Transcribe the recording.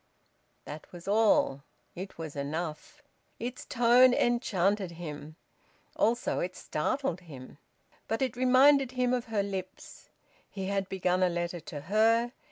That was all. It was enough. Its tone enchanted him. Also it startled him. But it reminded him of her lips. He had begun a letter to her.